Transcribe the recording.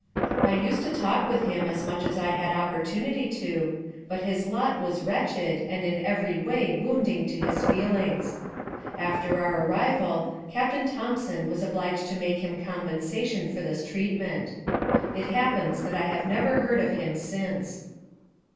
I used to talk with him as much as I had opportunity to, but his lot was wretched, and in every way wounding to his feelings. After our arrival, Captain Thompson was obliged to make him compensation for this treatment. It happens that I have never heard of him since.